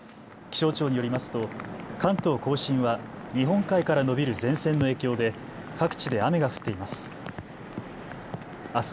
気象庁によりますと関東甲信は日本海から延びる前線の影響で各地で雨が降っています。